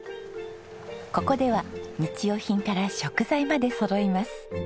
ここでは日用品から食材までそろいます。